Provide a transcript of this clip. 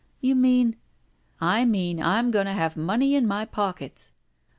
'*You mean —" I mean I'm going to have money in my pockets."